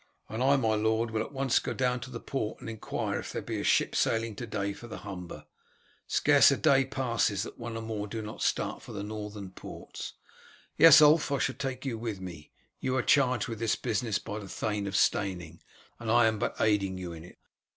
"And I, my lord, will at once go down to the port and inquire if there be a ship sailing to day for the Humber. Scarce a day passes that one or more do not start for the northern ports. Yes, Ulf, I shall take you with me. You are charged with this business by the Thane of Steyning, and I am but aiding you in it.